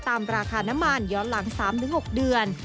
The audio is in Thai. ราคาน้ำมันย้อนหลัง๓๖เดือน